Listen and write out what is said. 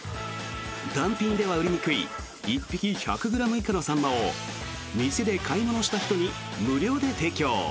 単品では売りにくい１匹１００ｇ以下のサンマを店で買い物した人に無料で提供。